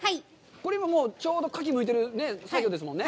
これ、今ちょうどカキをむいてる作業ですもんね？